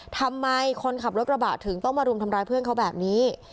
ทำไมคนขับรถกระบะถึงต้องมารุมทำร้ายเพื่อนเขาแบบนี้